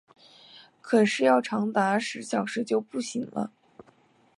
可是要长达十小时就不行了